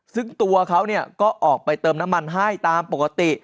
ซึ่งตัวเขาก็ออกไปเติมน้ำมันให้ตามปกติ